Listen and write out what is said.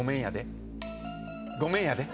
ごめんやで。